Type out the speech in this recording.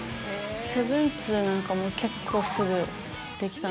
７２０なんかも結構すぐできた。